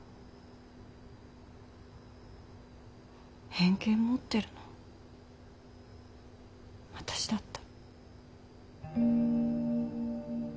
偏見持ってるの私だった。